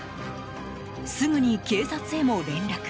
すぐに警察へも連絡。